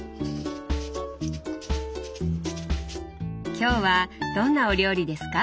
今日はどんなお料理ですか？